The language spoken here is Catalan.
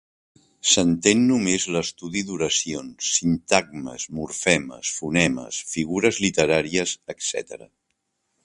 S’entén només l’estudi d’oracions, sintagmes, morfemes, fonemes, figures literàries, etcètera.